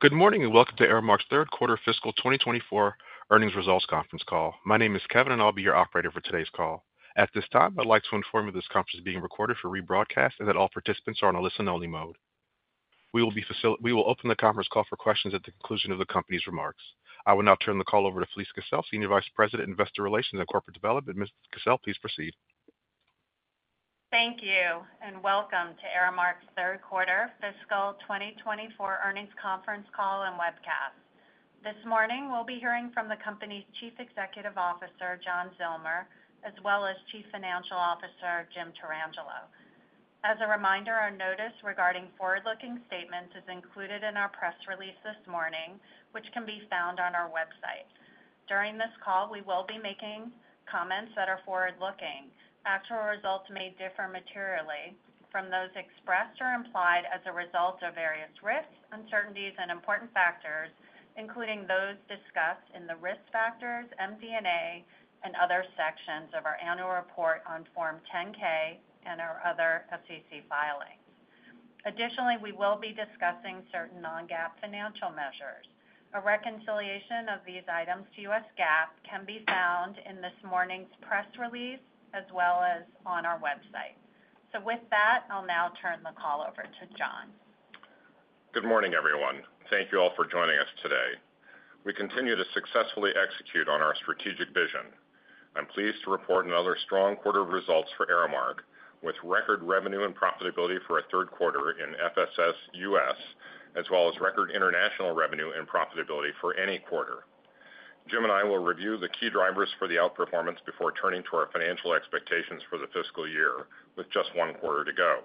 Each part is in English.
Good morning, and welcome to Aramark's third quarter fiscal 2024 earnings results conference call. My name is Kevin, and I'll be your operator for today's call. At this time, I'd like to inform you this conference is being recorded for rebroadcast and that all participants are on a listen-only mode. We will open the conference call for questions at the conclusion of the company's remarks. I will now turn the call over to Felise Kissell, Senior Vice President, Investor Relations and Corporate Development. Ms. Kissell, please proceed. Thank you, and welcome to Aramark's third quarter fiscal 2024 earnings conference call and webcast. This morning, we'll be hearing from the company's Chief Executive Officer, John Zillmer, as well as Chief Financial Officer, Jim Tarangelo. As a reminder, our notice regarding forward-looking statements is included in our press release this morning, which can be found on our website. During this call, we will be making comments that are forward-looking. Actual results may differ materially from those expressed or implied as a result of various risks, uncertainties, and important factors, including those discussed in the Risk Factors, MD&A, and other sections of our annual report on Form 10-K and our other SEC filings. Additionally, we will be discussing certain non-GAAP financial measures. A reconciliation of these items to US GAAP can be found in this morning's press release as well as on our website. With that, I'll now turn the call over to John. Good morning, everyone. Thank you all for joining us today. We continue to successfully execute on our strategic vision. I'm pleased to report another strong quarter of results for Aramark, with record revenue and profitability for a third quarter in FSS US, as well as record international revenue and profitability for any quarter. Jim and I will review the key drivers for the outperformance before turning to our financial expectations for the fiscal year, with just one quarter to go.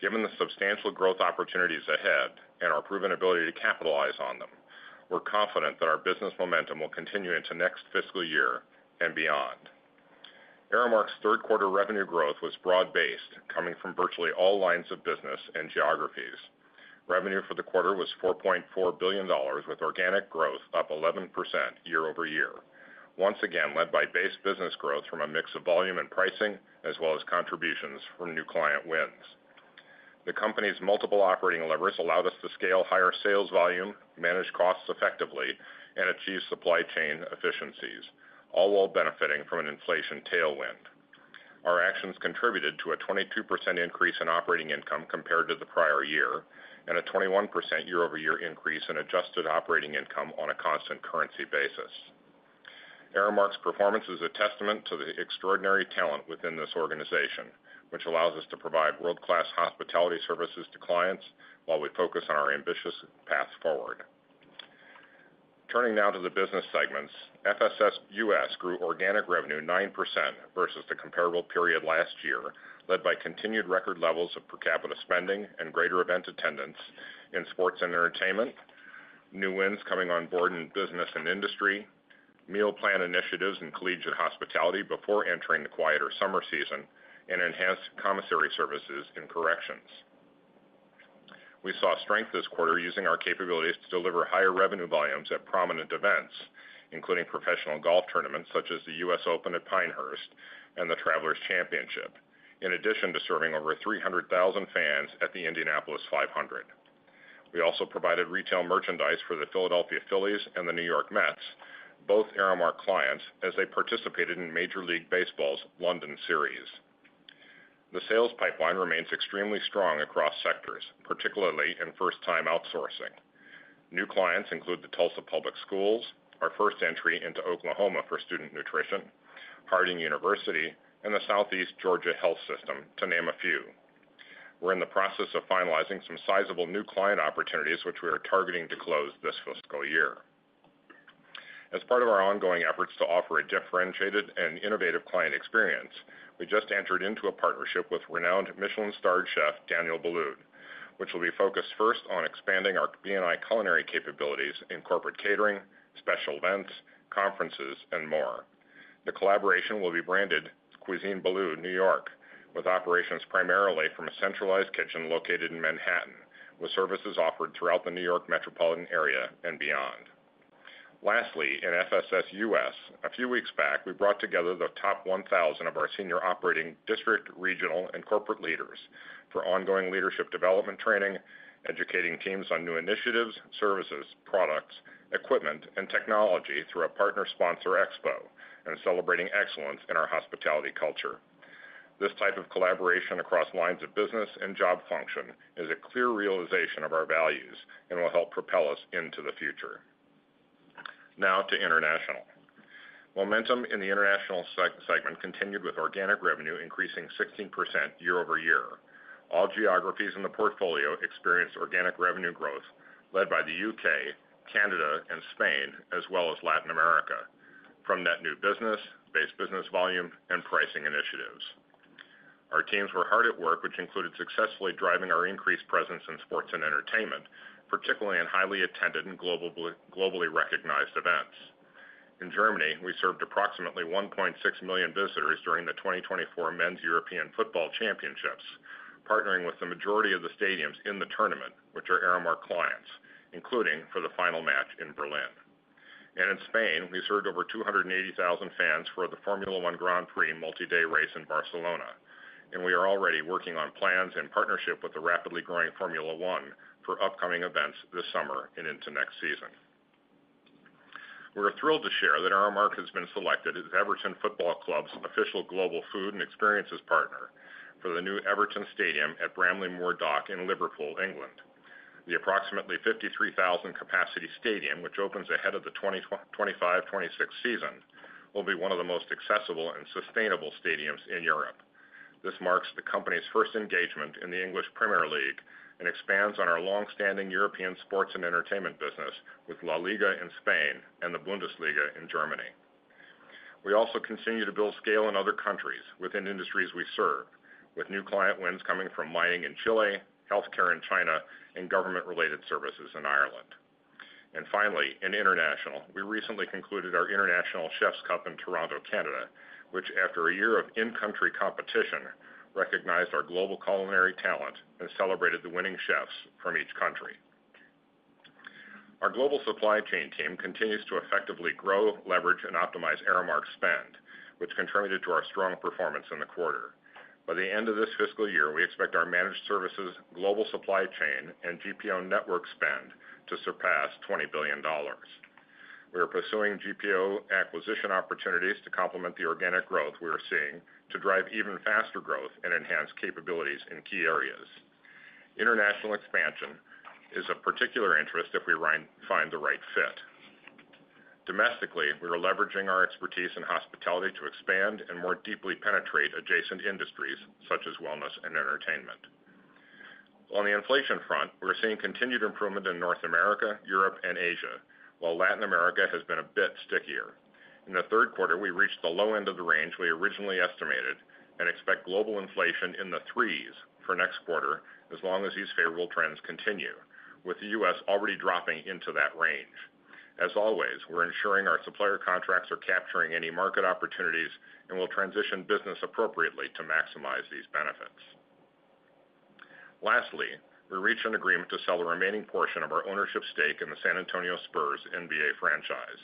Given the substantial growth opportunities ahead and our proven ability to capitalize on them, we're confident that our business momentum will continue into next fiscal year and beyond. Aramark's third quarter revenue growth was broad-based, coming from virtually all lines of business and geographies. Revenue for the quarter was $4.4 billion, with organic growth up 11% year-over-year, once again led by base business growth from a mix of volume and pricing, as well as contributions from new client wins. The company's multiple operating levers allowed us to scale higher sales volume, manage costs effectively, and achieve supply chain efficiencies, all while benefiting from an inflation tailwind. Our actions contributed to a 22% increase in operating income compared to the prior year, and a 21% year-over-year increase in adjusted operating income on a constant currency basis. Aramark's performance is a testament to the extraordinary talent within this organization, which allows us to provide world-class hospitality services to clients while we focus on our ambitious path forward. Turning now to the business segments. FSS US grew organic revenue 9% versus the comparable period last year, led by continued record levels of per capita spending and greater event attendance in sports and entertainment, new wins coming on board in business and industry, meal plan initiatives in collegiate hospitality before entering the quieter summer season, and enhanced commissary services in corrections. We saw strength this quarter using our capabilities to deliver higher revenue volumes at prominent events, including professional golf tournaments such as the U.S. Open at Pinehurst and the Travelers Championship, in addition to serving over 300,000 fans at the Indianapolis 500. We also provided retail merchandise for the Philadelphia Phillies and the New York Mets, both Aramark clients, as they participated in Major League Baseball's London Series. The sales pipeline remains extremely strong across sectors, particularly in first-time outsourcing. New clients include the Tulsa Public Schools, our first entry into Oklahoma for student nutrition, Harding University, and the Southeast Georgia Health System, to name a few. We're in the process of finalizing some sizable new client opportunities, which we are targeting to close this fiscal year. As part of our ongoing efforts to offer a differentiated and innovative client experience, we just entered into a partnership with renowned Michelin-starred chef, Daniel Boulud, which will be focused first on expanding our B&I culinary capabilities in corporate catering, special events, conferences, and more. The collaboration will be branded Cuisine Boulud New York, with operations primarily from a centralized kitchen located in Manhattan, with services offered throughout the New York metropolitan area and beyond. Lastly, in FSS US, a few weeks back, we brought together the top 1,000 of our senior operating district, regional, and corporate leaders for ongoing leadership development training, educating teams on new initiatives, services, products, equipment, and technology through a partner sponsor expo, and celebrating excellence in our hospitality culture. This type of collaboration across lines of business and job function is a clear realization of our values and will help propel us into the future. Now to international. Momentum in the international segment continued with organic revenue increasing 16% year over year. All geographies in the portfolio experienced organic revenue growth led by the UK, Canada, and Spain, as well as Latin America, from net new business, base business volume, and pricing initiatives. Our teams were hard at work, which included successfully driving our increased presence in sports and entertainment, particularly in highly attended and globally, globally recognized events. In Germany, we served approximately 1.6 million visitors during the 2024 Men's European Football Championships, partnering with the majority of the stadiums in the tournament, which are Aramark clients, including for the final match in Berlin... and in Spain, we served over 280,000 fans for the Formula One Grand Prix multi-day race in Barcelona, and we are already working on plans in partnership with the rapidly growing Formula One for upcoming events this summer and into next season. We're thrilled to share that Aramark has been selected as Everton Football Club's official global food and experiences partner for the new Everton Stadium at Bramley-Moore Dock in Liverpool, England. The approximately 53,000-capacity stadium, which opens ahead of the 2025-2026 season, will be one of the most accessible and sustainable stadiums in Europe. This marks the company's first engagement in the English Premier League, and expands on our long-standing European sports and entertainment business with LaLiga in Spain and the Bundesliga in Germany. We also continue to build scale in other countries within industries we serve, with new client wins coming from mining in Chile, healthcare in China, and government-related services in Ireland. And finally, in international, we recently concluded our International Chefs' Cup in Toronto, Canada, which, after a year of in-country competition, recognized our global culinary talent and celebrated the winning chefs from each country. Our global supply chain team continues to effectively grow, leverage, and optimize Aramark's spend, which contributed to our strong performance in the quarter. By the end of this fiscal year, we expect our managed services, global supply chain, and GPO network spend to surpass $20 billion. We are pursuing GPO acquisition opportunities to complement the organic growth we are seeing, to drive even faster growth and enhance capabilities in key areas. International expansion is of particular interest if we find the right fit. Domestically, we are leveraging our expertise in hospitality to expand and more deeply penetrate adjacent industries, such as wellness and entertainment. On the inflation front, we're seeing continued improvement in North America, Europe, and Asia, while Latin America has been a bit stickier. In the third quarter, we reached the low end of the range we originally estimated and expect global inflation in the 3s for next quarter, as long as these favorable trends continue, with the U.S. already dropping into that range. As always, we're ensuring our supplier contracts are capturing any market opportunities, and we'll transition business appropriately to maximize these benefits. Lastly, we reached an agreement to sell the remaining portion of our ownership stake in the San Antonio Spurs NBA franchise.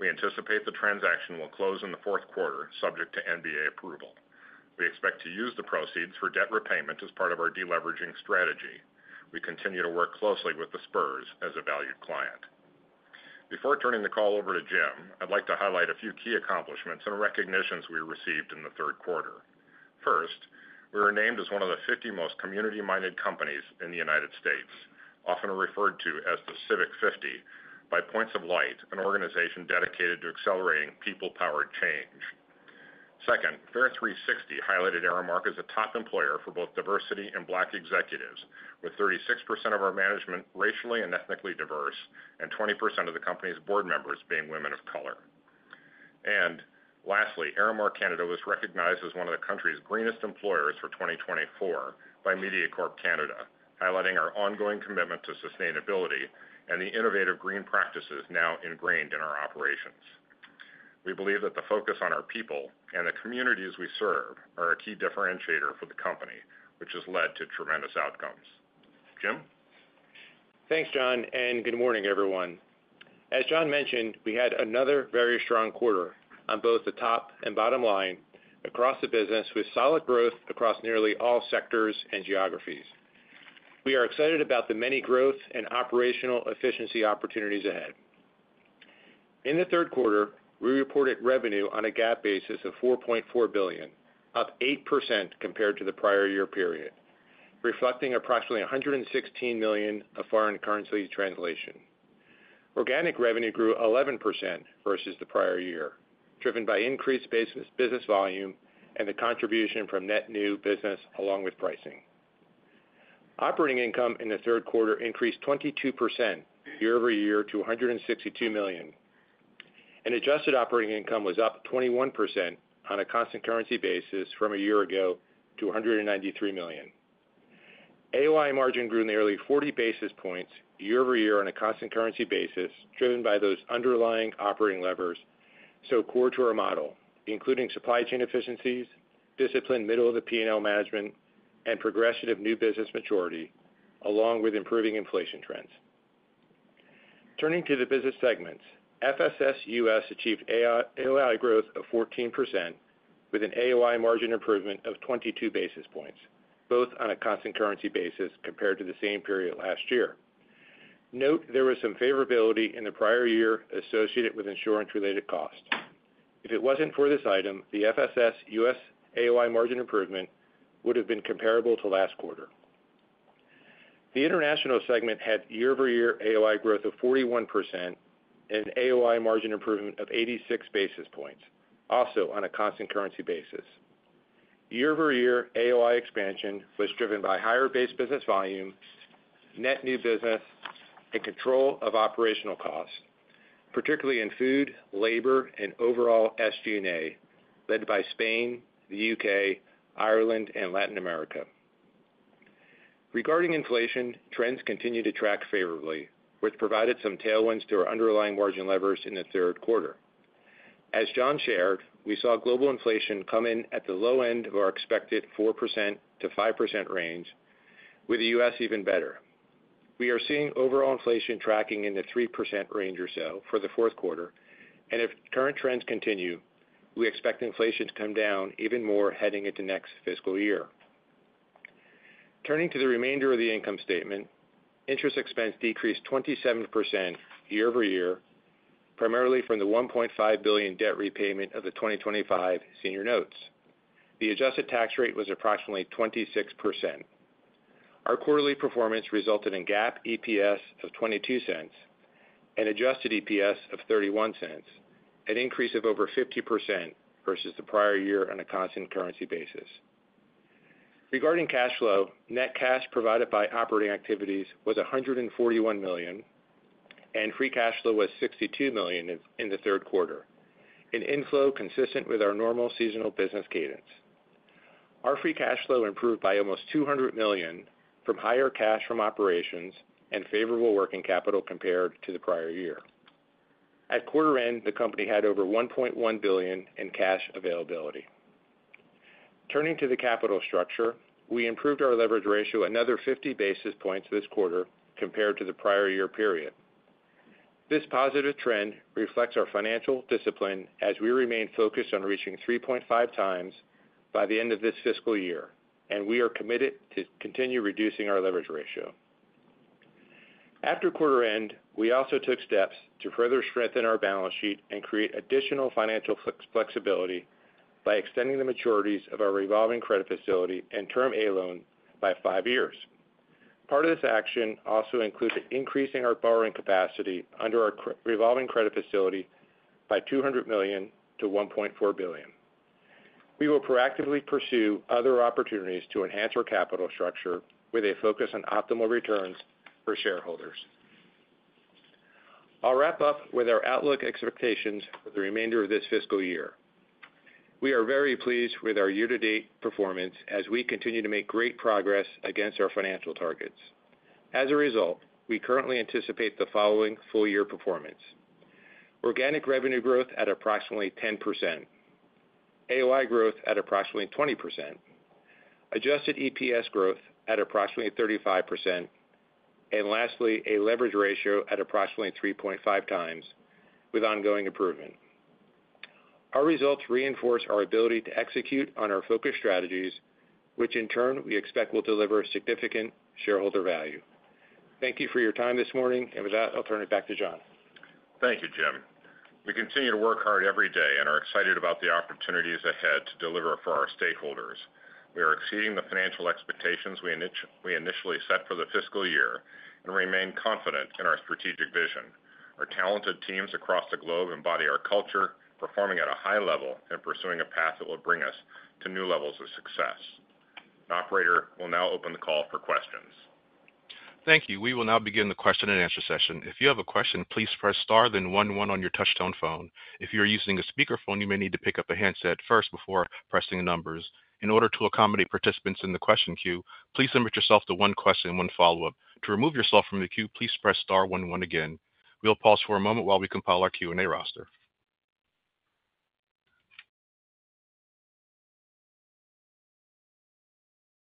We anticipate the transaction will close in the fourth quarter, subject to NBA approval. We expect to use the proceeds for debt repayment as part of our deleveraging strategy. We continue to work closely with the Spurs as a valued client. Before turning the call over to Jim, I'd like to highlight a few key accomplishments and recognitions we received in the third quarter. First, we were named as one of the 50 most community-minded companies in the United States, often referred to as the Civic 50, by Points of Light, an organization dedicated to accelerating people-powered change. Second, Fair360 highlighted Aramark as a top employer for both diversity and Black executives, with 36% of our management racially and ethnically diverse, and 20% of the company's board members being women of color. Lastly, Aramark Canada was recognized as one of the country's greenest employers for 2024 by Mediacorp Canada, highlighting our ongoing commitment to sustainability and the innovative green practices now ingrained in our operations. We believe that the focus on our people and the communities we serve are a key differentiator for the company, which has led to tremendous outcomes. Jim? Thanks, John, and good morning, everyone. As John mentioned, we had another very strong quarter on both the top and bottom line across the business, with solid growth across nearly all sectors and geographies. We are excited about the many growth and operational efficiency opportunities ahead. In the third quarter, we reported revenue on a GAAP basis of $4.4 billion, up 8% compared to the prior year period, reflecting approximately $116 million of foreign currency translation. Organic revenue grew 11% versus the prior year, driven by increased business, business volume and the contribution from net new business, along with pricing. Operating income in the third quarter increased 22% year-over-year to $162 million, and adjusted operating income was up 21% on a constant currency basis from a year ago to $193 million. AOI margin grew nearly 40 basis points year-over-year on a constant currency basis, driven by those underlying operating levers so core to our model, including supply chain efficiencies, disciplined middle-of-the-P&L management, and progression of new business maturity, along with improving inflation trends. Turning to the business segments. FSS US achieved AOI growth of 14%, with an AOI margin improvement of 22 basis points, both on a constant currency basis compared to the same period last year. Note, there was some favorability in the prior year associated with insurance-related costs. If it wasn't for this item, the FSS US AOI margin improvement would have been comparable to last quarter. The international segment had year-over-year AOI growth of 41% and AOI margin improvement of 86 basis points, also on a constant currency basis. Year-over-year AOI expansion was driven by higher base business volume, net new business, and control of operational costs, particularly in food, labor, and overall SG&A, led by Spain, the UK, Ireland, and Latin America. Regarding inflation, trends continue to track favorably, which provided some tailwinds to our underlying margin levers in the third quarter. As John shared, we saw global inflation come in at the low end of our expected 4%-5% range, with the US even better. We are seeing overall inflation tracking in the 3% range or so for the fourth quarter, and if current trends continue, we expect inflation to come down even more heading into next fiscal year. Turning to the remainder of the income statement, interest expense decreased 27% year-over-year, primarily from the $1.5 billion debt repayment of the 2025 senior notes. The adjusted tax rate was approximately 26%. Our quarterly performance resulted in GAAP EPS of $0.22 and adjusted EPS of $0.31, an increase of over 50% versus the prior year on a constant currency basis. Regarding cash flow, net cash provided by operating activities was $141 million, and free cash flow was $62 million in the third quarter, an inflow consistent with our normal seasonal business cadence. Our free cash flow improved by almost $200 million from higher cash from operations and favorable working capital compared to the prior year. At quarter end, the company had over $1.1 billion in cash availability. Turning to the capital structure, we improved our leverage ratio another 50 basis points this quarter compared to the prior year period. This positive trend reflects our financial discipline as we remain focused on reaching 3.5x by the end of this fiscal year, and we are committed to continue reducing our leverage ratio. After quarter end, we also took steps to further strengthen our balance sheet and create additional financial flex, flexibility by extending the maturities of our revolving credit facility and Term A loan by 5 years. Part of this action also includes increasing our borrowing capacity under our revolving credit facility by $200 million to $1.4 billion. We will proactively pursue other opportunities to enhance our capital structure with a focus on optimal returns for shareholders. I'll wrap up with our outlook expectations for the remainder of this fiscal year. We are very pleased with our year-to-date performance as we continue to make great progress against our financial targets. As a result, we currently anticipate the following full-year performance: organic revenue growth at approximately 10%, AOI growth at approximately 20%, adjusted EPS growth at approximately 35%, and lastly, a leverage ratio at approximately 3.5 times with ongoing improvement. Our results reinforce our ability to execute on our focused strategies, which in turn, we expect will deliver significant shareholder value. Thank you for your time this morning, and with that, I'll turn it back to John. Thank you, Jim. We continue to work hard every day and are excited about the opportunities ahead to deliver for our stakeholders. We are exceeding the financial expectations we initially set for the fiscal year and remain confident in our strategic vision. Our talented teams across the globe embody our culture, performing at a high level and pursuing a path that will bring us to new levels of success. The operator will now open the call for questions. Thank you. We will now begin the question and answer session. If you have a question, please press star, then 1, 1 on your touch-tone phone. If you are using a speakerphone, you may need to pick up a handset first before pressing the numbers. In order to accommodate participants in the question queue, please limit yourself to one question and one follow-up. To remove yourself from the queue, please press star, then 1, 1 again. We'll pause for a moment while we compile our Q&A roster.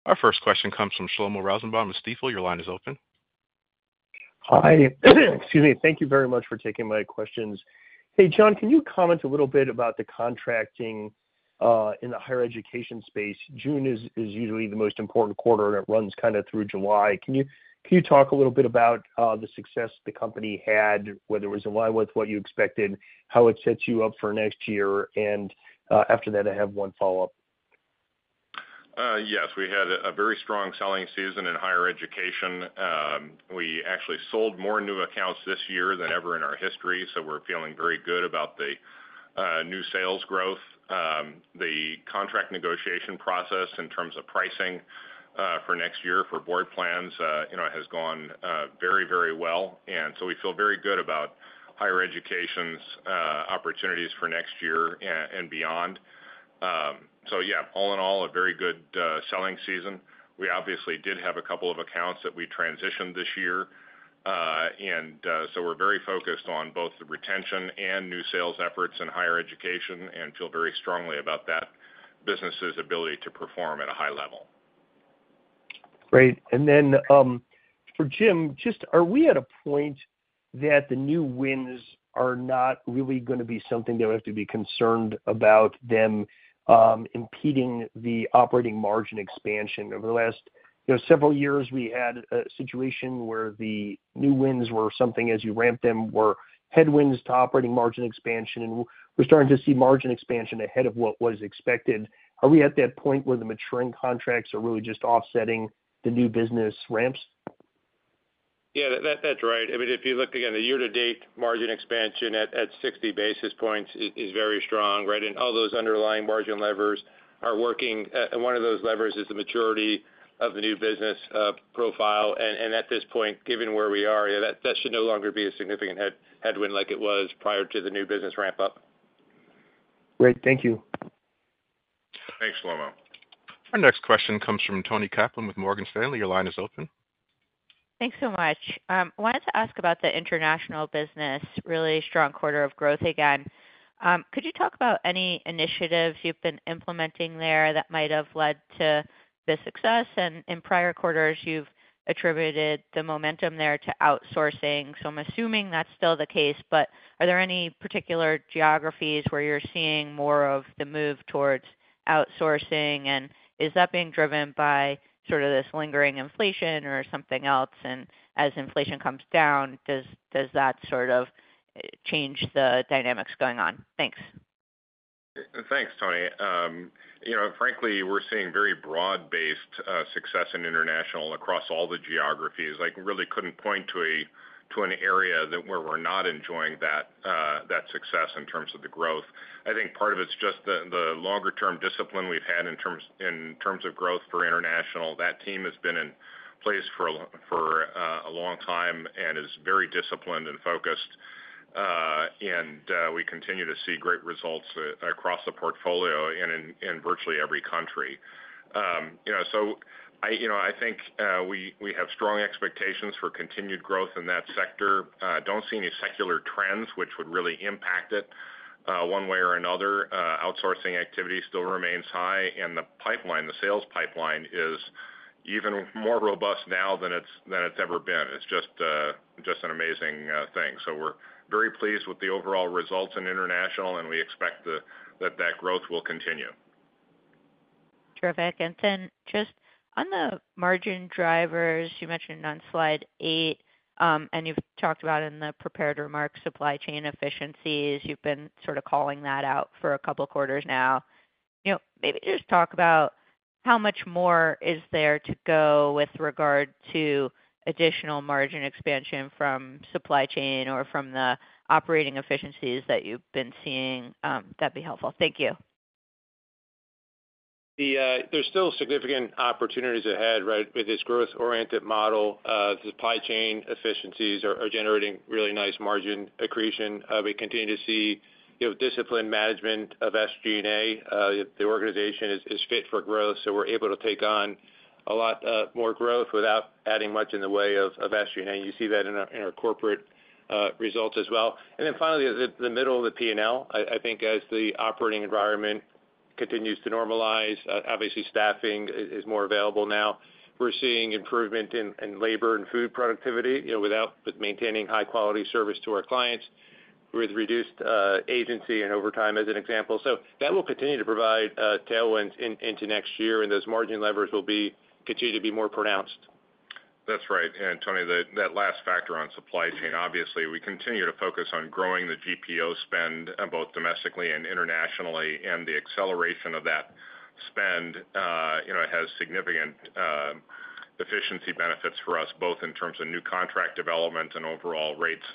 Our first question comes from Shlomo Rosenbaum of Stifel. Your line is open. Hi. Excuse me. Thank you very much for taking my questions. Hey, John, can you comment a little bit about the contracting in the higher education space? June is usually the most important quarter, and it runs kind of through July. Can you talk a little bit about the success the company had, whether it was in line with what you expected, how it sets you up for next year? And after that, I have one follow-up. Yes, we had a very strong selling season in higher education. We actually sold more new accounts this year than ever in our history, so we're feeling very good about the new sales growth. The contract negotiation process in terms of pricing for next year for board plans, you know, has gone very, very well, and so we feel very good about higher education's opportunities for next year and beyond. So yeah, all in all, a very good selling season. We obviously did have a couple of accounts that we transitioned this year. And so we're very focused on both the retention and new sales efforts in higher education and feel very strongly about that business's ability to perform at a high level. Great. And then, for Jim, just are we at a point that the new wins are not really gonna be something that we have to be concerned about them, impeding the operating margin expansion? Over the last, you know, several years, we had a situation where the new wins were something, as you ramped them, were headwinds to operating margin expansion, and we're starting to see margin expansion ahead of what was expected. Are we at that point where the maturing contracts are really just offsetting the new business ramps? Yeah, that's right. I mean, if you look, again, the year-to-date margin expansion at 60 basis points is very strong, right? And all those underlying margin levers are working. And one of those levers is the maturity of the new business profile. And at this point, given where we are, yeah, that should no longer be a significant headwind like it was prior to the new business ramp-up. Great. Thank you.... Thanks, Shlomo. Our next question comes from Toni Kaplan with Morgan Stanley. Your line is open. Thanks so much. I wanted to ask about the international business, really strong quarter of growth again. Could you talk about any initiatives you've been implementing there that might have led to the success? And in prior quarters, you've attributed the momentum there to outsourcing, so I'm assuming that's still the case, but are there any particular geographies where you're seeing more of the move towards outsourcing? And is that being driven by sort of this lingering inflation or something else? And as inflation comes down, does that sort of change the dynamics going on? Thanks. Thanks, Toni. You know, frankly, we're seeing very broad-based success in international across all the geographies. I really couldn't point to a, to an area that where we're not enjoying that success in terms of the growth. I think part of it's just the longer-term discipline we've had in terms of growth for international. That team has been in place for a long time and is very disciplined and focused. And we continue to see great results across the portfolio and in virtually every country. You know, so I, you know, I think we have strong expectations for continued growth in that sector. Don't see any secular trends which would really impact it one way or another. Outsourcing activity still remains high, and the pipeline, the sales pipeline, is even more robust now than it's ever been. It's just, just an amazing thing. So we're very pleased with the overall results in international, and we expect that growth will continue. Terrific. And then just on the margin drivers, you mentioned on slide 8, and you've talked about in the prepared remarks, supply chain efficiencies. You've been sort of calling that out for a couple of quarters now. You know, maybe just talk about how much more is there to go with regard to additional margin expansion from supply chain or from the operating efficiencies that you've been seeing, that'd be helpful. Thank you. There's still significant opportunities ahead, right? With this growth-oriented model, the supply chain efficiencies are generating really nice margin accretion. We continue to see, you know, disciplined management of SG&A. The organization is fit for growth, so we're able to take on a lot more growth without adding much in the way of SG&A. You see that in our corporate results as well. And then finally, the middle of the P&L, I think as the operating environment continues to normalize, obviously staffing is more available now. We're seeing improvement in labor and food productivity, you know, without maintaining high quality service to our clients, with reduced agency and overtime, as an example. So that will continue to provide tailwinds into next year, and those margin levers will continue to be more pronounced. That's right. And Toni, that last factor on supply chain, obviously, we continue to focus on growing the GPO spend, both domestically and internationally, and the acceleration of that spend, you know, has significant efficiency benefits for us, both in terms of new contract development and overall rates,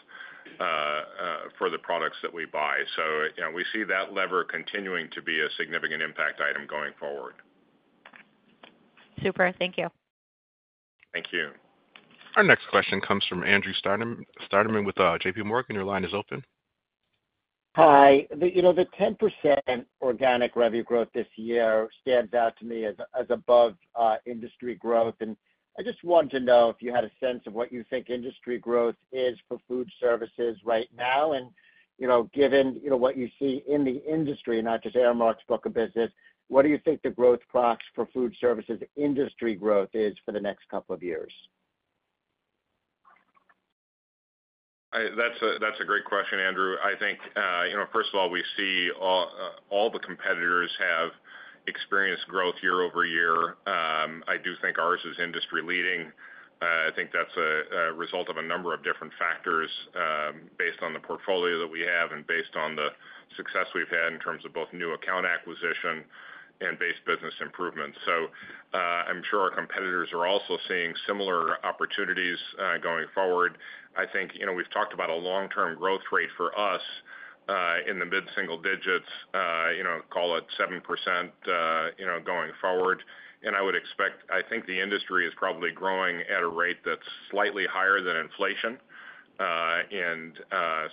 for the products that we buy. So, you know, we see that lever continuing to be a significant impact item going forward. Super. Thank you. Thank you. Our next question comes from Andrew Steinerman with J.P. Morgan. Your line is open. Hi. You know, the 10% organic revenue growth this year stands out to me as above industry growth. And I just wanted to know if you had a sense of what you think industry growth is for food services right now, and, you know, given, you know, what you see in the industry, not just Aramark's book of business, what do you think the growth prospects for food services industry growth is for the next couple of years? That's a great question, Andrew. I think, you know, first of all, we see all, all the competitors have experienced growth year-over-year. I do think ours is industry leading. I think that's a result of a number of different factors, based on the portfolio that we have and based on the success we've had in terms of both new account acquisition and base business improvements. So, I'm sure our competitors are also seeing similar opportunities, going forward. I think, you know, we've talked about a long-term growth rate for us, in the mid-single digits, you know, call it 7%, you know, going forward. And I would expect... I think the industry is probably growing at a rate that's slightly higher than inflation.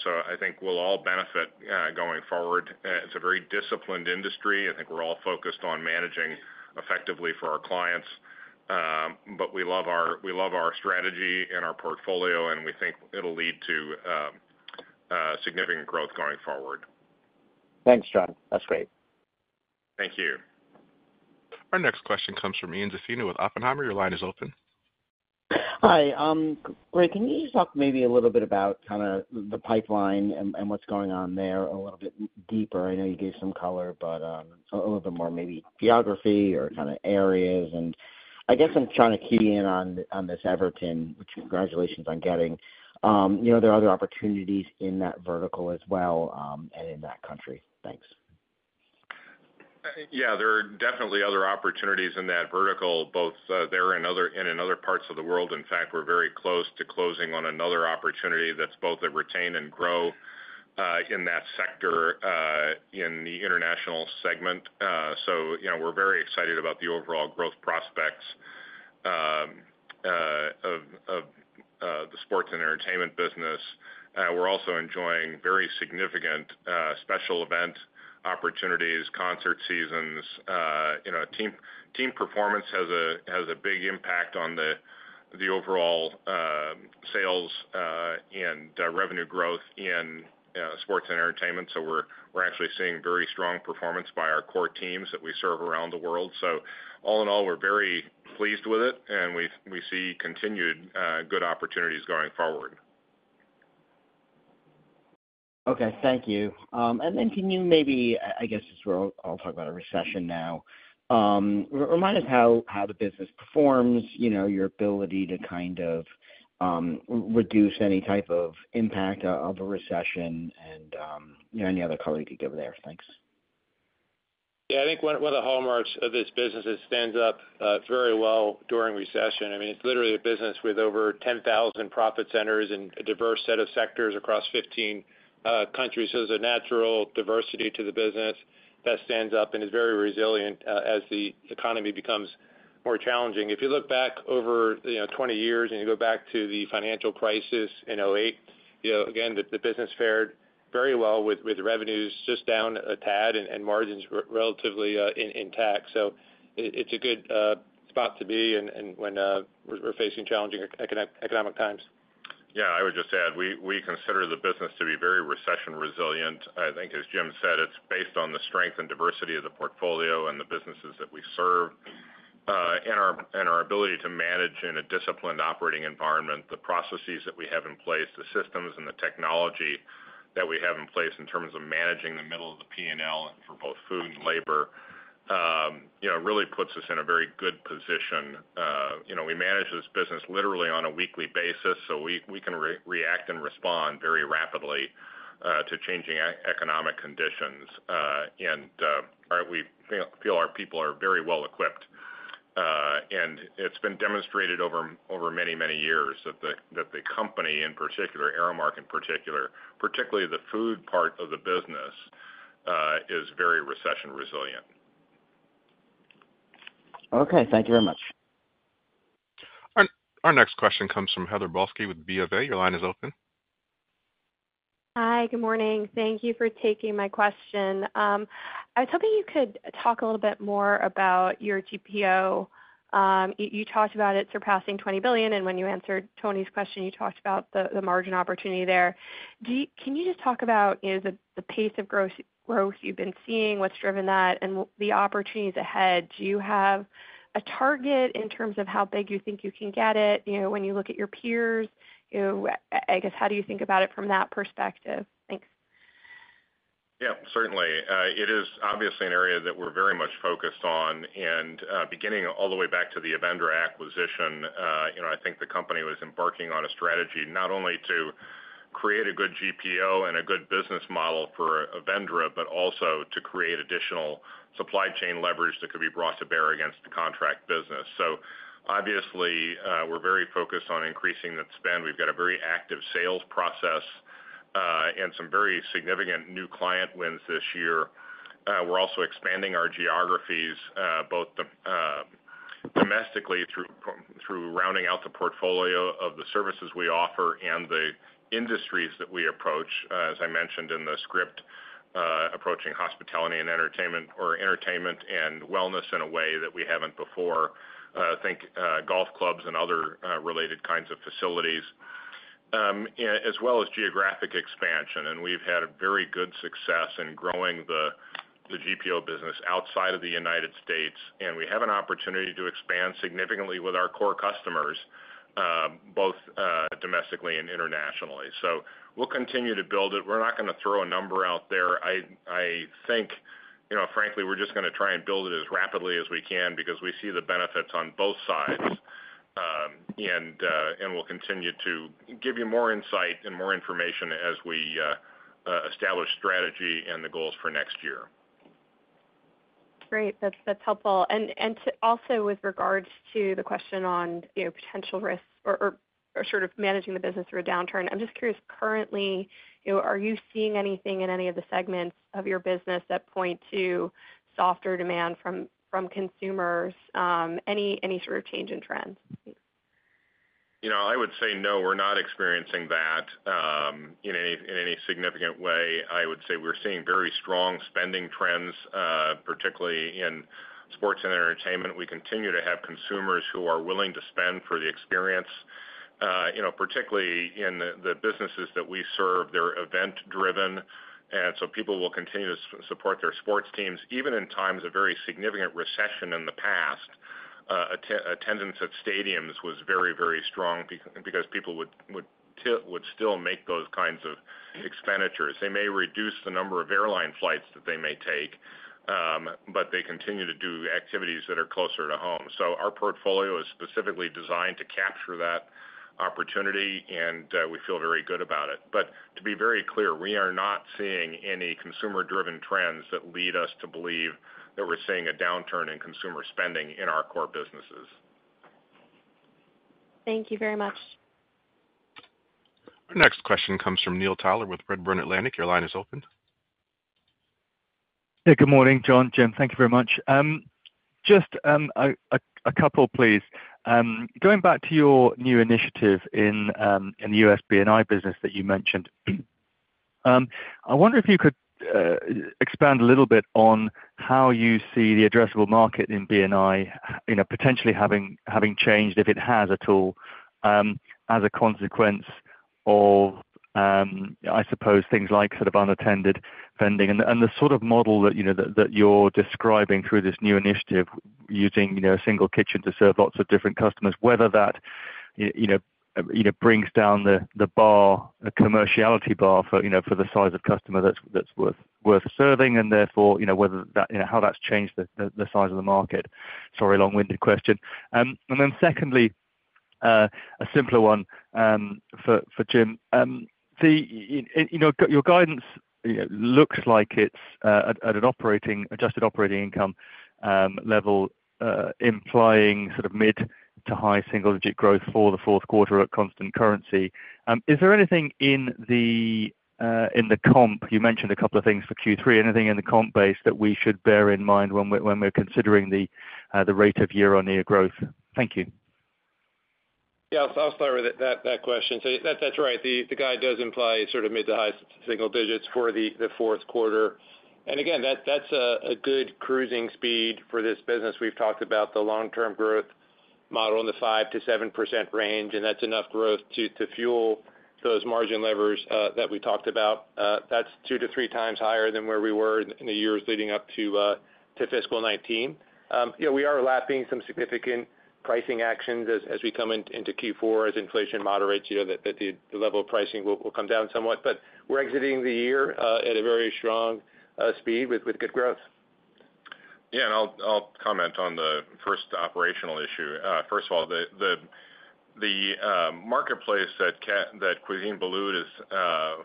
So I think we'll all benefit going forward. It's a very disciplined industry. I think we're all focused on managing effectively for our clients. But we love our, we love our strategy and our portfolio, and we think it'll lead to significant growth going forward. Thanks, John. That's great. Thank you. Our next question comes from Ian Zaffino with Oppenheimer. Your line is open. Hi, great. Can you just talk maybe a little bit about kinda the pipeline and what's going on there a little bit deeper? I know you gave some color, but a little bit more maybe geography or kinda areas. And I guess I'm trying to key in on this Everton, which congratulations on getting. You know, are there other opportunities in that vertical as well, and in that country? Thanks. Yeah, there are definitely other opportunities in that vertical, both there and other and in other parts of the world. In fact, we're very close to closing on another opportunity that's both a retain and grow in that sector in the international segment. So, you know, we're very excited about the overall growth prospects of the sports and entertainment business. We're also enjoying very significant special event opportunities, concert seasons, you know, team performance has a big impact on the overall sales and revenue growth in sports and entertainment. So we're actually seeing very strong performance by our core teams that we serve around the world. So all in all, we're very pleased with it, and we see continued good opportunities going forward. Okay, thank you. And then can you maybe, I guess, since we're all talking about a recession now, re-remind us how, how the business performs, you know, your ability to kind of, reduce any type of impact of, of a recession and, you know, any other color you could give there? Thanks. Yeah, I think one of the hallmarks of this business is it stands up very well during recession. I mean, it's literally a business with over 10,000 profit centers and a diverse set of sectors across 15 countries. So there's a natural diversity to the business that stands up and is very resilient as the economy becomes more challenging. If you look back over, you know, 20 years, and you go back to the financial crisis in 2008, you know, again, the business fared very well with revenues just down a tad and margins relatively intact. So it's a good spot to be in when we're facing challenging economic times. Yeah, I would just add, we consider the business to be very recession resilient. I think, as Jim said, it's based on the strength and diversity of the portfolio and the businesses that we serve, and our ability to manage in a disciplined operating environment. The processes that we have in place, the systems and the technology that we have in place in terms of managing the middle of the P&L and for both food and labor, you know, really puts us in a very good position. You know, we manage this business literally on a weekly basis, so we can react and respond very rapidly to changing economic conditions. And we feel our people are very well equipped. and it's been demonstrated over, over many, many years that the, that the company, in particular, Aramark in particular, particularly the food part of the business, is very recession resilient. Okay. Thank you very much. Our next question comes from Heather Balsky with BofA. Your line is open. Hi, good morning. Thank you for taking my question. I was hoping you could talk a little bit more about your GPO. You, you talked about it surpassing $20 billion, and when you answered Tony's question, you talked about the, the margin opportunity there. Do you can you just talk about, you know, the, the pace of growth, growth you've been seeing, what's driven that, and the opportunities ahead? Do you have a target in terms of how big you think you can get it? You know, when you look at your peers, you know, I guess, how do you think about it from that perspective? Thanks. Yeah, certainly. It is obviously an area that we're very much focused on, and, beginning all the way back to the Avendra acquisition, you know, I think the company was embarking on a strategy, not only to create a good GPO and a good business model for Avendra, but also to create additional supply chain leverage that could be brought to bear against the contract business. So obviously, we're very focused on increasing the spend. We've got a very active sales process, and some very significant new client wins this year. We're also expanding our geographies, both domestically, through rounding out the portfolio of the services we offer and the industries that we approach, as I mentioned in the script, approaching hospitality and entertainment, or entertainment and wellness in a way that we haven't before. Think golf clubs and other related kinds of facilities, and as well as geographic expansion. We've had a very good success in growing the GPO business outside of the United States, and we have an opportunity to expand significantly with our core customers, both domestically and internationally. So we'll continue to build it. We're not gonna throw a number out there. I think, you know, frankly, we're just gonna try and build it as rapidly as we can because we see the benefits on both sides. We'll continue to give you more insight and more information as we establish strategy and the goals for next year. Great. That's, that's helpful. Also with regards to the question on, you know, potential risks or, or, or sort of managing the business through a downturn, I'm just curious, currently, you know, are you seeing anything in any of the segments of your business that point to softer demand from, from consumers? Any, any sort of change in trends? You know, I would say, no, we're not experiencing that in any significant way. I would say we're seeing very strong spending trends, particularly in sports and entertainment. We continue to have consumers who are willing to spend for the experience. You know, particularly in the businesses that we serve, they're event driven, and so people will continue to support their sports teams. Even in times of very significant recession in the past, attendance at stadiums was very, very strong because people would still make those kinds of expenditures. They may reduce the number of airline flights that they may take, but they continue to do activities that are closer to home. So our portfolio is specifically designed to capture that opportunity, and we feel very good about it. But to be very clear, we are not seeing any consumer-driven trends that lead us to believe that we're seeing a downturn in consumer spending in our core businesses. Thank you very much. Our next question comes from Neil Tyler with Redburn Atlantic. Your line is open.... Hey, good morning, John, Jim, thank you very much. Just a couple, please. Going back to your new initiative in the US B&I business that you mentioned. I wonder if you could expand a little bit on how you see the addressable market in B&I, you know, potentially having changed, if it has at all, as a consequence of, I suppose things like sort of unattended vending. And the sort of model that, you know, you're describing through this new initiative using, you know, a single kitchen to serve lots of different customers, whether that, you know, brings down the bar, the commerciality bar for, you know, for the size of customer that's worth serving, and therefore, you know, whether that... You know, how that's changed the size of the market? Sorry, long-winded question. And then secondly, a simpler one, for Jim. You know, your guidance, you know, looks like it's at an operating, adjusted operating income level, implying sort of mid to high single-digit growth for the fourth quarter at constant currency. Is there anything in the comp? You mentioned a couple of things for Q3, anything in the comp base that we should bear in mind when we're considering the rate of year-on-year growth? Thank you. Yeah, so I'll start with that question. So that's right. The guide does imply sort of mid- to high-single digits for the fourth quarter. And again, that's a good cruising speed for this business. We've talked about the long-term growth model in the 5%-7% range, and that's enough growth to fuel those margin levers that we talked about. That's 2-3 times higher than where we were in the years leading up to fiscal 2019. Yeah, we are lapping some significant pricing actions as we come into Q4. As inflation moderates, you know, that the level of pricing will come down somewhat, but we're exiting the year at a very strong speed with good growth. Yeah, and I'll comment on the first operational issue. First of all, the marketplace that Cuisine Boulud is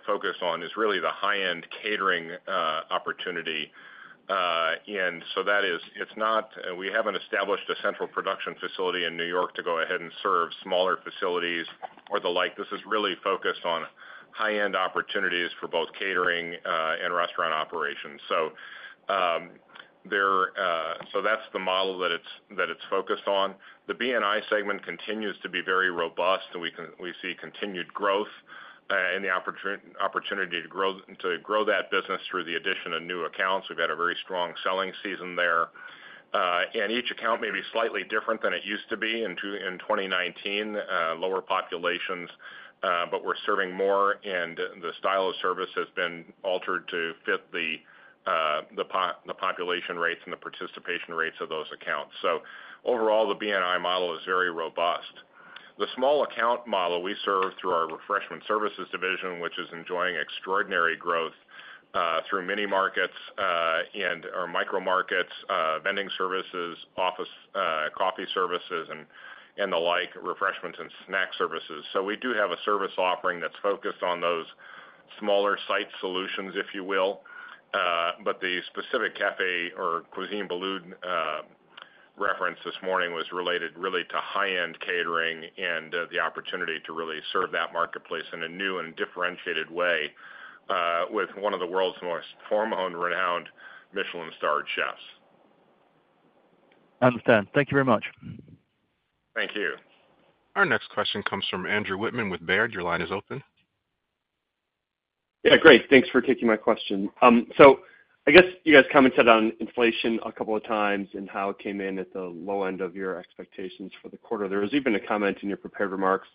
focused on is really the high-end catering opportunity. And so that is, it's not. We haven't established a central production facility in New York to go ahead and serve smaller facilities or the like. This is really focused on high-end opportunities for both catering and restaurant operations. So that's the model that it's focused on. The B&I segment continues to be very robust. We see continued growth and the opportunity to grow that business through the addition of new accounts. We've had a very strong selling season there. And each account may be slightly different than it used to be in 2019. Lower populations, but we're serving more, and the style of service has been altered to fit the population rates and the participation rates of those accounts. So overall, the B&I model is very robust. The small account model we serve through our refreshment services division, which is enjoying extraordinary growth through mini markets and our micro markets, vending services, office coffee services and the like, refreshments and snack services. So we do have a service offering that's focused on those smaller site solutions, if you will. But the specific cafe or Cuisine Boulud reference this morning was related really to high-end catering and the opportunity to really serve that marketplace in a new and differentiated way with one of the world's most foremost renowned Michelin-starred chefs. I understand. Thank you very much. Thank you. Our next question comes from Andrew Whitman with Baird. Your line is open. Yeah, great. Thanks for taking my question. So I guess you guys commented on inflation a couple of times and how it came in at the low end of your expectations for the quarter. There was even a comment in your prepared remarks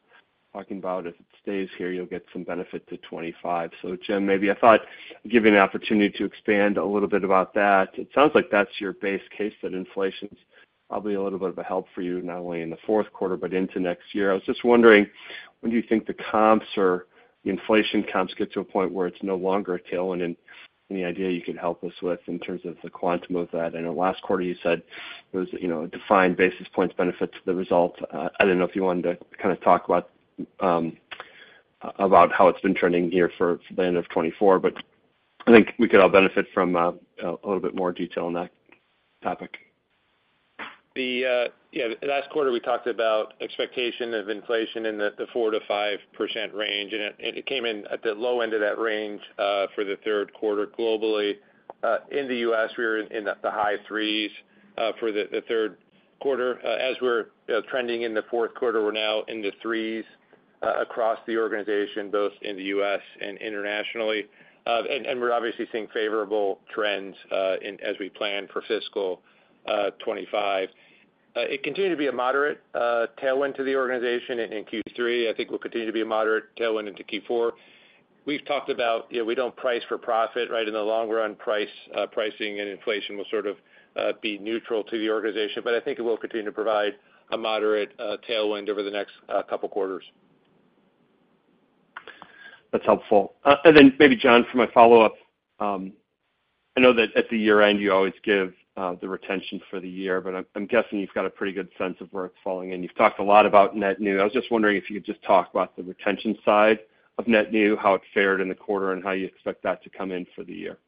talking about if it stays here, you'll get some benefit to 2025. So Jim, maybe I thought I'd give you an opportunity to expand a little bit about that. It sounds like that's your base case, that inflation's probably a little bit of a help for you, not only in the fourth quarter, but into next year. I was just wondering, when do you think the comps or the inflation comps get to a point where it's no longer a tailwind and any idea you could help us with in terms of the quantum of that? I know last quarter you said it was, you know, a defined basis points benefit to the result. I didn't know if you wanted to kind of talk about how it's been trending here for the end of 2024, but I think we could all benefit from a little bit more detail on that topic. Yeah, last quarter, we talked about expectation of inflation in the 4%-5% range, and it came in at the low end of that range for the third quarter globally. In the U.S., we were in the high 3s for the third quarter. As we're trending in the fourth quarter, we're now in the 3s across the organization, both in the U.S. and internationally. And we're obviously seeing favorable trends as we plan for fiscal 2025. It continued to be a moderate tailwind to the organization in Q3. I think we'll continue to be a moderate tailwind into Q4. We've talked about, you know, we don't price for profit, right? In the long run, price, pricing and inflation will sort of be neutral to the organization, but I think it will continue to provide a moderate tailwind over the next couple quarters. That's helpful. And then maybe, John, for my follow-up. I know that at the year-end, you always give the retention for the year, but I'm guessing you've got a pretty good sense of where it's falling in. You've talked a lot about net new. I was just wondering if you could just talk about the retention side of net new, how it fared in the quarter, and how you expect that to come in for the year.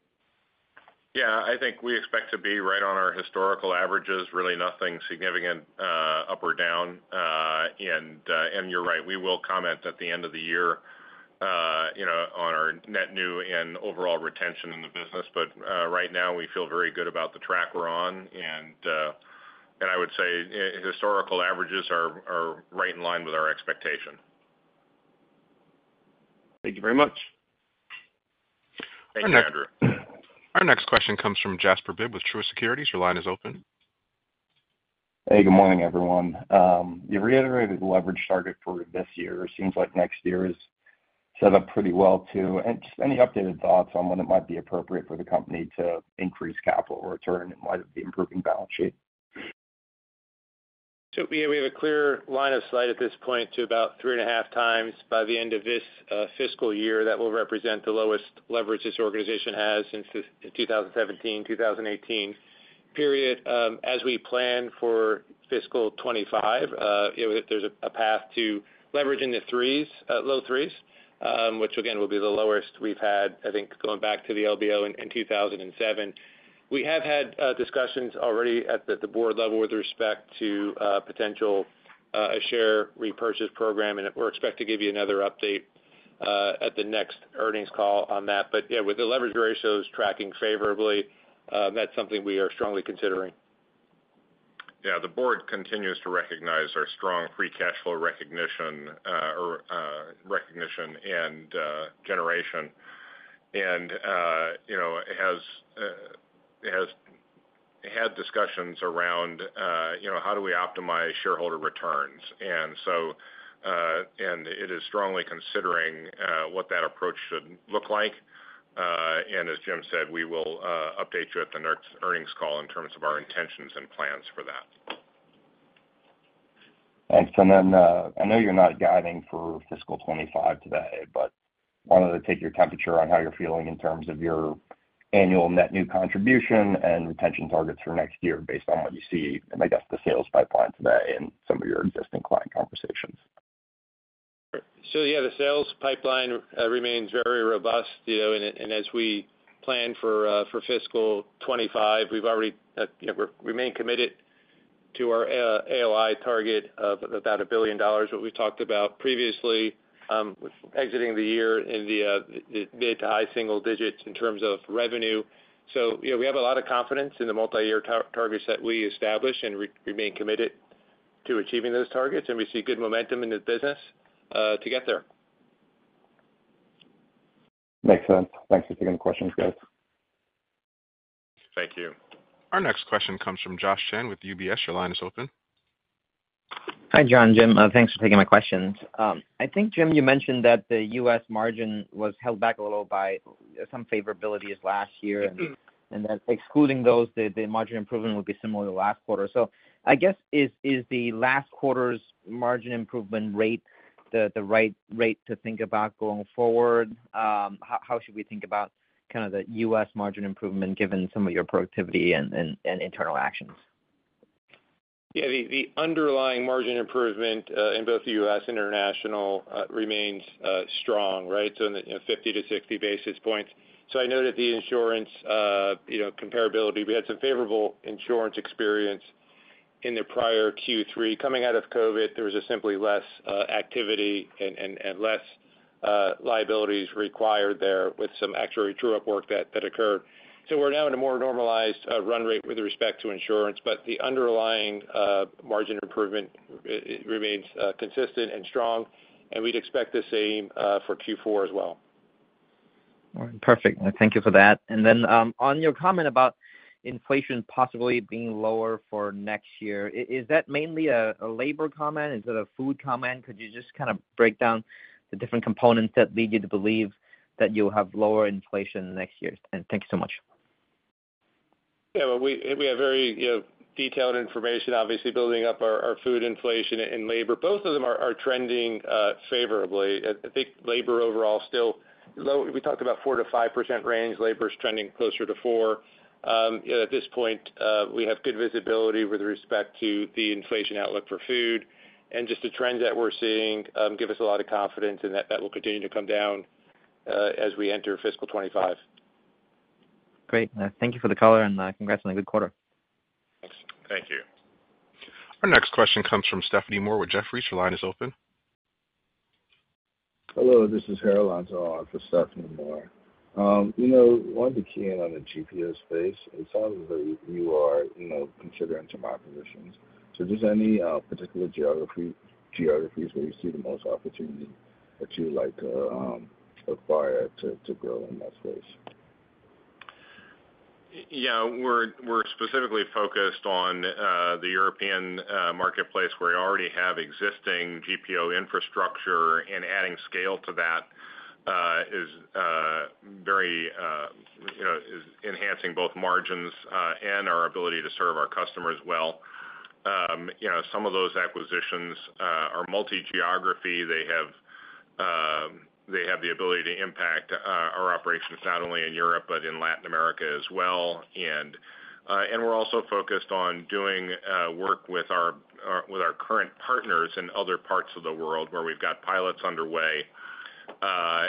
Yeah. I think we expect to be right on our historical averages, really nothing significant. And you're right, we will comment at the end of the year, you know, on our net new and overall retention in the business. But right now, we feel very good about the track we're on, and I would say historical averages are right in line with our expectation. Thank you very much. Thank you, Andrew. Our next question comes from Jasper Bibb with Truist Securities. Your line is open. Hey, good morning, everyone. You reiterated the leverage target for this year. Seems like next year is set up pretty well, too. And just any updated thoughts on when it might be appropriate for the company to increase capital return in light of the improving balance sheet? So we have a clear line of sight at this point to about 3.5x by the end of this fiscal year. That will represent the lowest leverage this organization has since the 2017, 2018 period. As we plan for fiscal 2025, you know, there's a path to leverage in the 3s, low 3s, which again, will be the lowest we've had, I think, going back to the LBO in 2007. We have had discussions already at the board level with respect to potential a share repurchase program, and we're expect to give you another update at the next earnings call on that. But, yeah, with the leverage ratios tracking favorably, that's something we are strongly considering. Yeah, the board continues to recognize our strong free cash flow recognition, or, recognition and, generation. And, you know, it has, it has had discussions around, you know, how do we optimize shareholder returns? And so, and it is strongly considering, what that approach should look like. And as Jim said, we will, update you at the next earnings call in terms of our intentions and plans for that. Thanks. And then, I know you're not guiding for fiscal 2025 today, but wanted to take your temperature on how you're feeling in terms of your annual net new contribution and retention targets for next year based on what you see, and I guess the sales pipeline today and some of your existing client conversations? So, yeah, the sales pipeline remains very robust, you know, and as we plan for fiscal 2025, we've already, you know, we remain committed to our AOI target of about $1 billion. What we talked about previously, exiting the year in the mid- to high-single digits in terms of revenue. So, you know, we have a lot of confidence in the multi-year targets that we establish, and remain committed to achieving those targets, and we see good momentum in the business to get there. Makes sense. Thanks for taking the questions, guys. Thank you. Our next question comes from Joshua Chan with UBS. Your line is open. Hi, John, Jim. Thanks for taking my questions. I think, Jim, you mentioned that the US margin was held back a little by some favorabilities last year, and that excluding those, the margin improvement would be similar to last quarter. So I guess, is the last quarter's margin improvement rate the right rate to think about going forward? How should we think about kind of the US margin improvement, given some of your productivity and internal actions? Yeah, the underlying margin improvement in both the U.S. and international remains strong, right? So in the, you know, 50-60 basis points. So I know that the insurance, you know, comparability, we had some favorable insurance experience in the prior Q3. Coming out of COVID, there was just simply less activity and less liabilities required there with some actuary true-up work that occurred. So we're now in a more normalized run rate with respect to insurance, but the underlying margin improvement remains consistent and strong, and we'd expect the same for Q4 as well. All right. Perfect. Thank you for that. And then, on your comment about inflation possibly being lower for next year, is that mainly a labor comment instead of food comment? Could you just kind of break down the different components that lead you to believe that you'll have lower inflation in the next year? And thank you so much. Yeah, well, we have very, you know, detailed information, obviously, building up our food inflation and labor. Both of them are trending favorably. I think labor overall is still low. We talked about 4%-5% range. Labor is trending closer to 4%. At this point, we have good visibility with respect to the inflation outlook for food. And just the trends that we're seeing give us a lot of confidence, and that will continue to come down as we enter fiscal 2025. Great. Thank you for the color, and, congrats on a good quarter. Thanks. Thank you. Our next question comes from Stephanie Moore with Jefferies. Your line is open. Hello, this is Harold Antor for Stephanie Moore. You know, wanted to key in on the GPO space. It sounds like you are, you know, considering some acquisitions. So just any particular geographies where you see the most opportunity that you would like to acquire to grow in that space? Yeah, we're specifically focused on the European marketplace, where we already have existing GPO infrastructure, and adding scale to that is very, you know, enhancing both margins and our ability to serve our customers well. You know, some of those acquisitions are multi-geography. They have the ability to impact our operations, not only in Europe, but in Latin America as well. And we're also focused on doing work with our current partners in other parts of the world, where we've got pilots underway...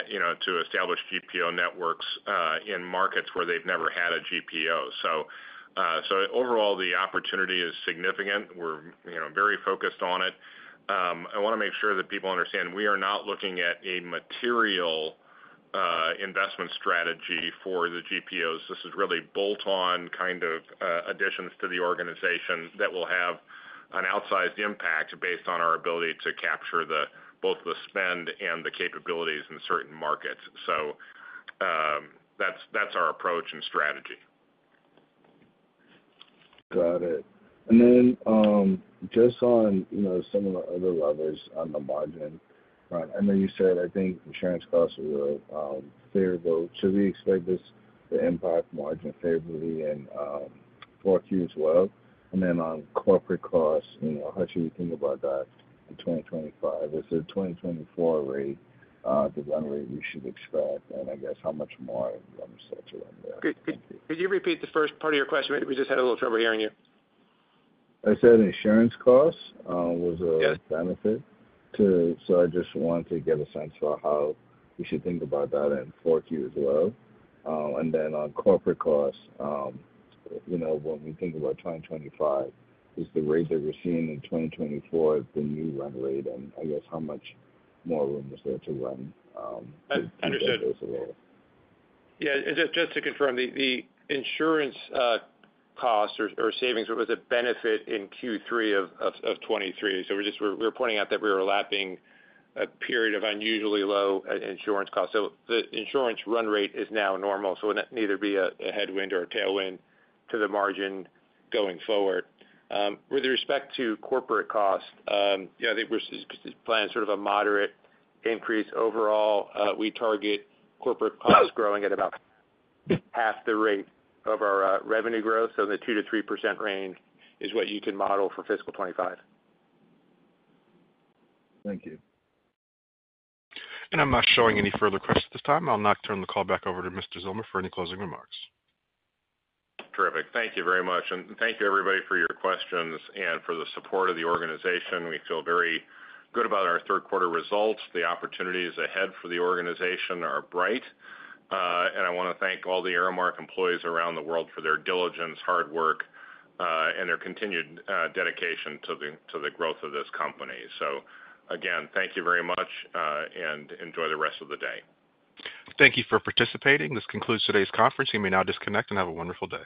you know, to establish GPO networks in markets where they've never had a GPO. So overall, the opportunity is significant. We're, you know, very focused on it. I wanna make sure that people understand we are not looking at a material investment strategy for the GPOs. This is really bolt-on kind of additions to the organization that will have an outsized impact based on our ability to capture both the spend and the capabilities in certain markets. So, that's, that's our approach and strategy. Got it. And then, just on, you know, some of the other levers on the margin. I know you said, I think insurance costs were favorable. Should we expect this to impact margin favorably in Q4 as well? And then on corporate costs, you know, how should we think about that in 2025? Is the 2024 rate the run rate we should expect, and I guess how much more room is there to run there? Could you repeat the first part of your question? We just had a little trouble hearing you. I said insurance costs. Yes - benefit to... So I just wanted to get a sense for how we should think about that in Q4 as well. And then on corporate costs, you know, when we think about 2025, is the rates that we're seeing in 2024 the new run rate, and I guess how much more room is there to run? Understood. as well. Yeah, just to confirm, the insurance costs or savings was a benefit in Q3 of 2023. So we're just pointing out that we were lapping a period of unusually low insurance costs, so the insurance run rate is now normal, so it would neither be a headwind or a tailwind to the margin going forward. With respect to corporate costs, yeah, I think we're just planning sort of a moderate increase overall. We target corporate costs growing at about half the rate of our revenue growth. So the 2%-3% range is what you can model for fiscal 2025. Thank you. I'm not showing any further questions at this time. I'll now turn the call back over to Mr. Zillmer for any closing remarks. Terrific. Thank you very much, and thank you, everybody, for your questions and for the support of the organization. We feel very good about our third quarter results. The opportunities ahead for the organization are bright, and I want to thank all the Aramark employees around the world for their diligence, hard work, and their continued dedication to the growth of this company. So again, thank you very much, and enjoy the rest of the day. Thank you for participating. This concludes today's conference. You may now disconnect and have a wonderful day.